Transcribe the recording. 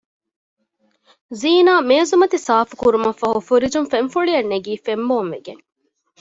ޒީނާ މޭޒުމަތި ސާފުކުރުމަށްފަހު ފުރިޖުން ފެންފުޅިއެން ނެގީ ފެންބޯންވެގެން